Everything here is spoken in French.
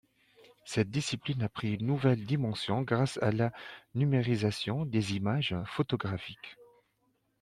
Cette discipline a pris une nouvelle dimension grâce à la numérisation des images photographiques.